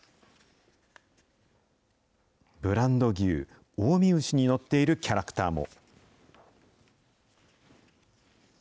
ブランド牛、近江牛に乗っているキャラクターも。